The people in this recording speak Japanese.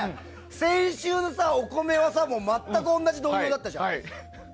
先週、お米はさ全く同じ土俵だったじゃん。